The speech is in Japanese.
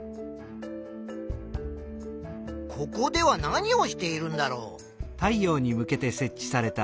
ここでは何をしているんだろう。